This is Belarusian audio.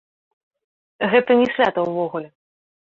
Гэта не свята ўвогуле.